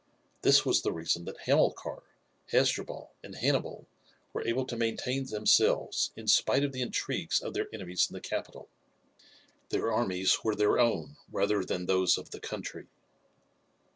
This was the reason that Hamilcar, Hasdrubal, and Hannibal were able to maintain themselves in spite of the intrigues of their enemies in the capital. Their armies were their own rather than those of the country.